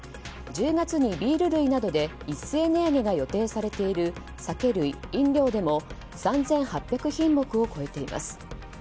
１０月にビール類などで一斉値上げが予定されている酒類・飲料でも３８００品目を超えています。